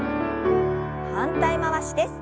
反対回しです。